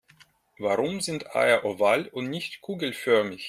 Warum sind Eier oval und nicht kugelförmig?